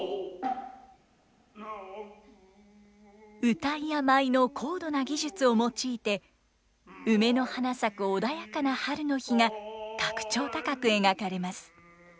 謡や舞の高度な技術を用いて梅の花咲く穏やかな春の日が格調高く描かれます。